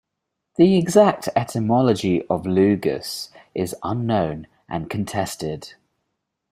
The exact etymology of Lugus is unknown and contested.